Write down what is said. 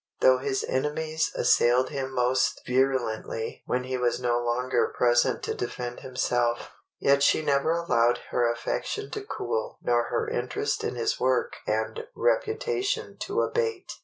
Though his enemies assailed him most virulently when he was no longer present to defend himself, yet she never allowed her affection to cool nor her interest in his work and reputation to abate.